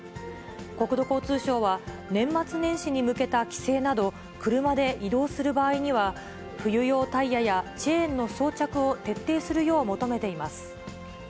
国土交通省は、年末年始に向けた帰省など、車で移動する場合には、冬用タイヤや、チェーンの装着を徹底するよう求めています。